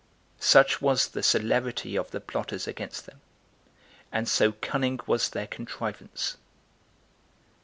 Such was the celerity of the plotters against them, and so cunning was their contrivance.